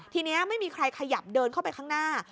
ทีนี้ไม่มีใครขยับเดินเข้าไปข้างหน้า